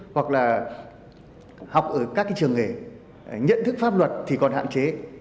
hoặc là học ở các trường nghề nhận thức pháp luật thì còn hạn chế